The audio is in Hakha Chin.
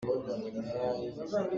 Khoi ka ah dah midang cu an kal?